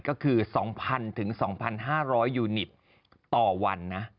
ก็คือ๒๐๐๒๕๐๐ยูนิตต่อวันนะ